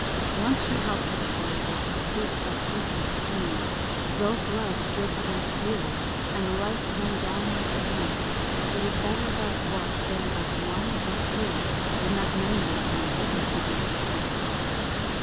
(Once she held for true This truth of sacred strain; Though blood drip like dew And life run down like rain, It is better that war spare but one or two Than that many live, and liberty be slain.)